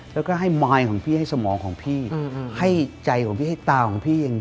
แล้วก็ให้มายของพี่ให้สมองของพี่ให้ใจของพี่ให้ตาของพี่เอง